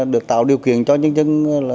được tạo điều kiện cho nhân dân